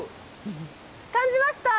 感じました！